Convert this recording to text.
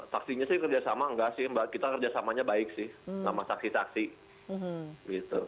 saksinya sih kerjasama enggak sih mbak kita kerjasamanya baik sih sama saksi saksi gitu